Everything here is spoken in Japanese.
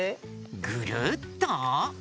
ぐるっと？